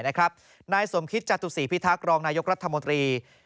นายสมคิตจตุศีพิทักษ์รองนายกรัฐมนตรี